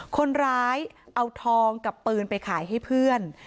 คนร้ายเอาทองกับปืนไปขายให้เพื่อน